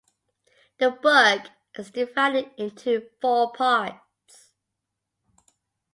The book is divided into four parts.